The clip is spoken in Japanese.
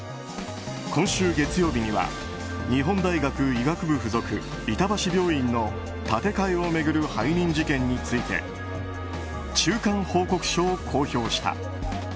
今週月曜日には日本大学医学部附属板橋病院の建て替えを巡る背任事件について中間報告書を公表した。